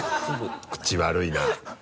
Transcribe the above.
口悪いな。